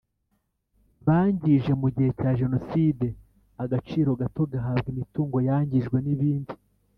Bangije mu gihe cya jenoside agaciro gato gahabwa imitungo yangijwe n ibindi